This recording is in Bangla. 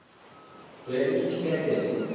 তো এতে কি ঠিক আছে?